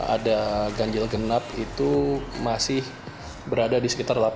ada ganjil genap itu masih berada di sekitar delapan